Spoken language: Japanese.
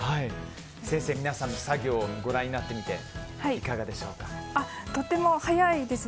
先生、皆さんの作業をご覧になってみてとても早いですね。